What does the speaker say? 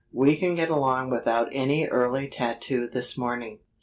We can get along without any early tattoo this morning."